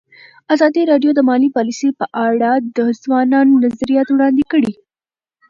ازادي راډیو د مالي پالیسي په اړه د ځوانانو نظریات وړاندې کړي.